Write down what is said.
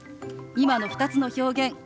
今の２つの表現